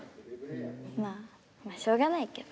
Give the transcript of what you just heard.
まあしょうがないけど。